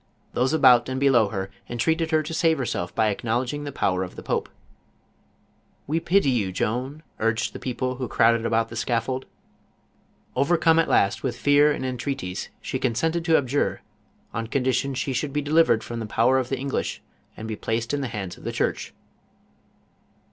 Those about and In low her, entreated her to save herself by acknowledging the po\vcr of the j>opc. 176 JOAN OF ARC. " "We pity you, Joan," urged the people who crowded about the scaffold. Overcome at last with fear and en treaties she consented to abjure, on condition she should be delivered from the power of the English and be placed in the hands of the church.